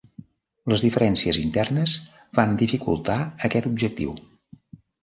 Les diferències internes van dificultar aquest objectiu.